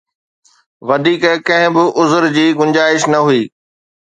وڌيڪ ڪنهن به عذر جي گنجائش نه هئي.